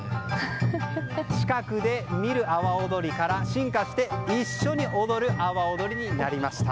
近くで見る阿波踊りから進化して一緒に踊る阿波踊りになりました。